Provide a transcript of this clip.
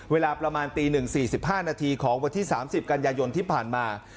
เวลาประมาณตีหนึ่งสี่สิบห้านาทีของวันที่สามสิบกัญญาณยนต์ที่ผ่านมา